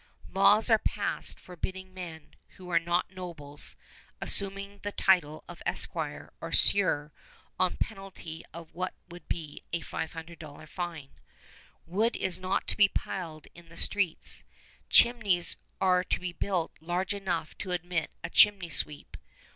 Laws are passed forbidding men, who are not nobles, assuming the title of Esquire or Sieur on penalty of what would be a $500 fine. "Wood is not to be piled on the streets." "Chimneys are to be built large enough to admit a chimney sweep."